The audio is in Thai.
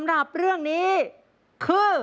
ชอบร้องเพลงเหรอลูกค่ะ